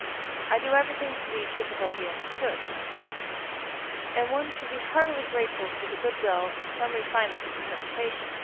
] (I do everything to be "difficultly understood" myself!) and one should be heartily grateful for the good will to some refinement of interpretation.